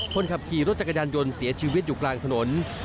คนขับขี่รถจักรยานยนต์เสียชีวิตอยู่กลางถนน